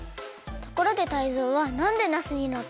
ところでタイゾウはなんでナスになったの？